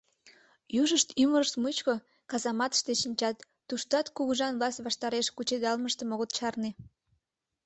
Южышт ӱмырышт мучко казаматыште шинчат, туштат кугыжан власть ваштареш кучедалмыштым огыт чарне.